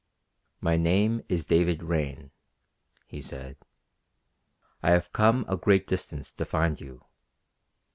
"My name is David Raine," he said. "I have come a great distance to find you."